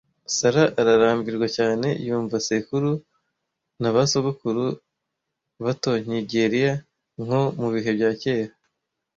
Sarah ararambirwa cyane yumva sekuru na basogokuru batonkigelia nko mu bihe bya kera.